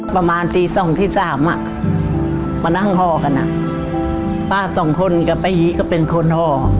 ประมาณตี๒๓มานั่งหอกันป้าสองคนกับป้ายีก็เป็นคนหอ